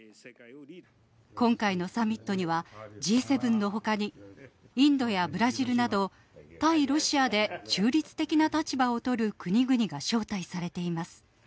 今回のサミットには、Ｇ７のほかにインドやブラジルなど、対ロシアで中立的な立場を取る国々が招待されています。